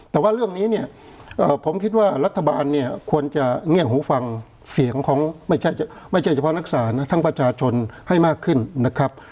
แต่ว่าเรื่องนี้เนี่ยผมคิดว่ารัฐบาลเนี่ยควรจะเงียบหูฟังเสียงของไม่ใช่เฉพาะนักศาลนะทั้งประชาชนให้มากขึ้นนะครับ